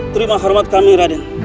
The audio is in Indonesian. terima hormat kami raden